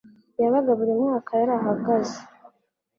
yabaga buri mwaka yarahagaze